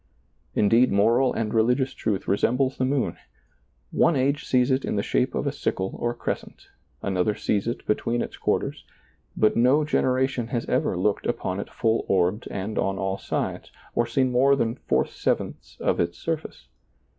Indeed moral and religious truth resembles the mojn — one age sees it in the shape of a sickle or crescent, another sees it between its quarters, but no generation has ever looked upon it full orbed and on all sides, or seen more than four sevenths of its surface.